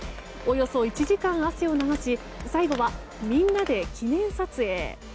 およそ１時間汗を流し最後はみんなで記念撮影。